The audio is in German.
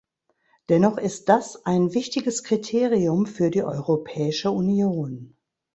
Dennoch ist das ein wichtiges Kriterium für die Europäische Union.